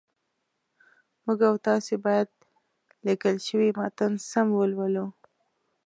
موږ او تاسي باید لیکل شوی متن سم ولولو